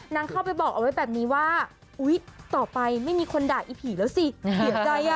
เข้าไปบอกเอาไว้แบบนี้ว่าอุ๊ยต่อไปไม่มีคนด่าอีผีแล้วสิเสียใจอ่ะ